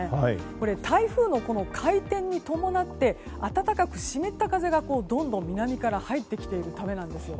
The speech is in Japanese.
これは台風の回転に伴って暖かく湿った風がどんどん南から入ってきているためです。